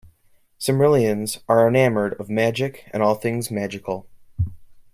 Cymrilians are enamoured of magic and all things magical.